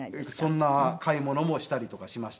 そんな買い物もしたりとかしました。